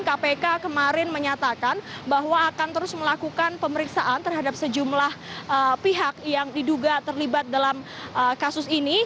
kpk kemarin menyatakan bahwa akan terus melakukan pemeriksaan terhadap sejumlah pihak yang diduga terlibat dalam kasus ini